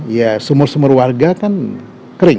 ya sumur sumur warga kan kering